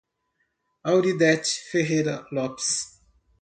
Auridete Ferreira Lopes